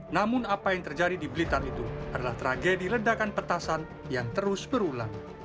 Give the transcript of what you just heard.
namun apa yang terjadi di blitar itu adalah tragedi ledakan petasan yang terus berulang